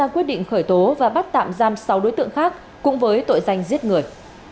quyết định khởi tố và bắt tạm giam sáu đối tượng khác cũng với tội danh giết người